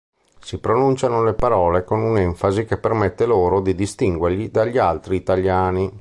Si pronunciano le parole con un'enfasi che permette loro di distinguerli dagli altri italiani.